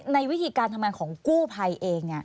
ในวิธีการทำงานของกู้ภัยเอง